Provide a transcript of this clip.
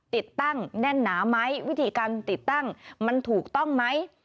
ติดตั้งแน่นหนาไหมวิธีการติดตั้งมันถูกต้องไหม